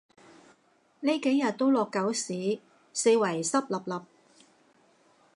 呢幾日都落狗屎，四圍濕 𣲷𣲷